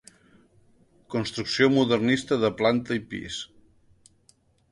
Construcció modernista de planta i pis.